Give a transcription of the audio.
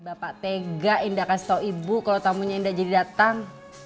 bapak tega indah kasih tahu ibu kalau tamunya indah jadi datang